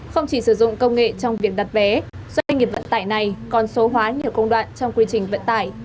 không chỉ sử dụng công nghệ trong việc đặt vé doanh nghiệp vận tải này còn số hóa nhiều công đoạn trong quy trình vận tải